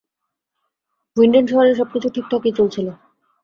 উইন্ডেন শহরে সবকিছুই ঠিকঠাকই চলছিলো।